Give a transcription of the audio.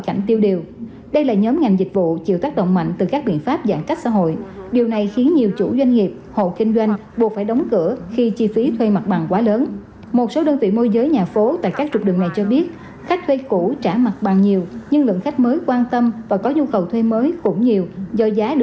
và khi các biện pháp giãn cách xã hội được bằng mới với vị trí đẹp và giá phản chăng